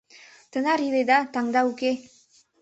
Тынар иледа — таҥда уке!